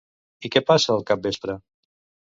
I què passa al capvespre?